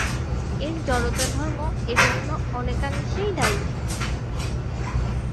এর জড়তা ধর্ম এজন্য অনেকাংশেই দায়ী।